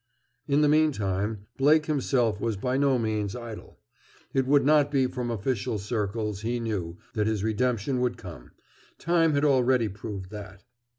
In the meantime, Blake himself was by no means idle. It would not be from official circles, he knew, that his redemption would come. Time had already proved that.